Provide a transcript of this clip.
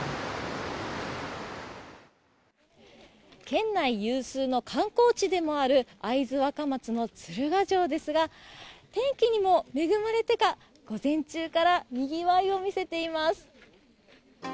県内有数の観光地でもある会津若松の鶴ヶ城ですが天気にも恵まれてか午前中からにぎわいを見せています。